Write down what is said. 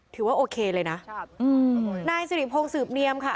ถือว่าโอเคเลยนะครับอืมนายสิริพงศ์สืบเนียมค่ะ